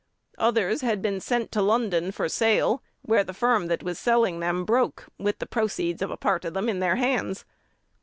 Others had been sent to London for sale, where the firm that was selling them broke with the proceeds of a part of them in their hands.